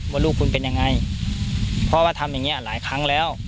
ว่าลูกคุณเป็นยังไงเพราะว่าทำอย่างเงี้หลายครั้งแล้ว